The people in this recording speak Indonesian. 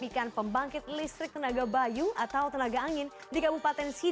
adalah mengetahui kapan berkembang di atas skuter ini